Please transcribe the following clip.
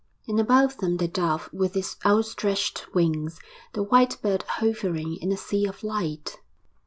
And above them the Dove with its outstretched wings, the white bird hovering in a sea of light!